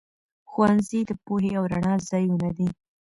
ښوونځي د پوهې او رڼا ځايونه دي.